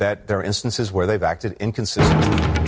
bahwa ada kesempatan di mana mereka beraktifitas tidak konsisten